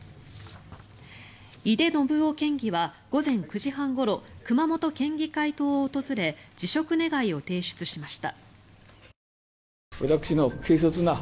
井手順雄県議は午前９時半ごろ熊本県議会棟を訪れ辞職願を提出しました。